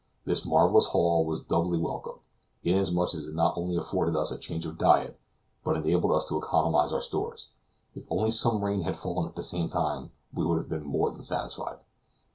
This marvelous haul was doubly welcome, inasmuch as it not only afforded us a change of diet, but enabled us to economize our stores; if only some rain had fallen at the same time we would have been more than satisfied.